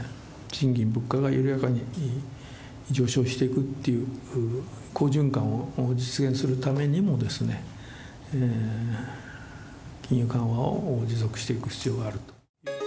賃金、物価が緩やかに上昇していくっていう好循環を実現するためにも、金融緩和を持続していく必要があると。